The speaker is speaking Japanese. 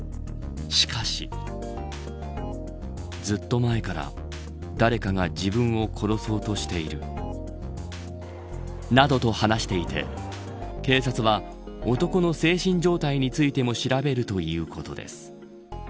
しかし。などと話していて警察は男の精神状態についても調べるということです。